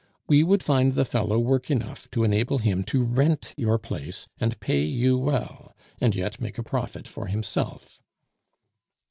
We would find the fellow work enough to enable him to rent your place and pay you well, and yet make a profit for himself."